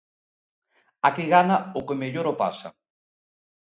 Aquí gana o que mellor o pasa.